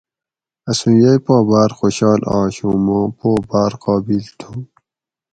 اسوں یئی پا باۤر خوشال آش اوں ماں پو باۤر قابل تھو